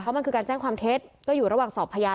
เพราะก็มาตั้งความเท็จไปอยู่ระหว่างสอบพยาน